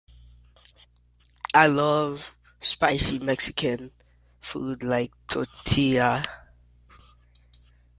I love spicy Mexican food like tortillas.